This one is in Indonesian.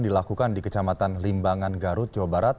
dilakukan di kecamatan limbangan garut jawa barat